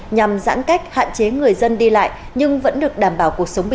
nhằm giãn cách hạn chế người dân đi lại